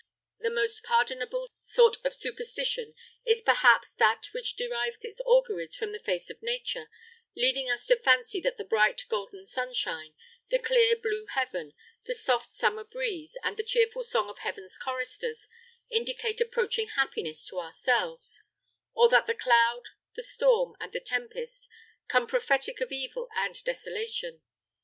The most pardonable sort of superstition is perhaps that which derives its auguries from the face of nature, leading us to fancy that the bright golden sunshine, the clear blue heaven, the soft summer breeze, and the cheerful song of heaven's choristers, indicate approaching happiness to ourselves; or that the cloud, the storm, and the tempest, come prophetic of evil and desolation.